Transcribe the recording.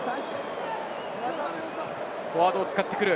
フォワードを使ってくる。